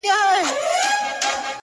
پرون مي دومره درته وژړله؛